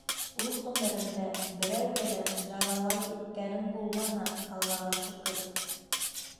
Үҙ ғүмеремдә берәүгә лә жалауайт иткәнем булманы, Аллаға шөкөр.